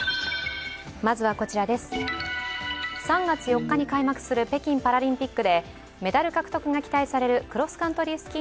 ３月４日に開幕する北京パラリンピックでメダル獲得が期待されるクロスカントリー